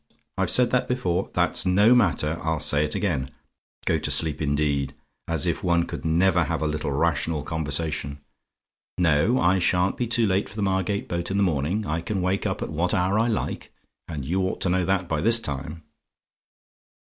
"I'VE SAID THAT BEFORE? "That's no matter; I'll say it again. Go to sleep, indeed! as if one could never have a little rational conversation. No, I sha'n't be too late for the Margate boat in the morning; I can wake up at what hour I like, and you ought to know that by this time.